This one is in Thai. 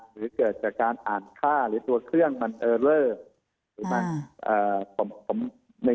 หรือเกิดจากการอ่านค่าหรือตัวเครื่องมันเออเลอร์ถูกไหม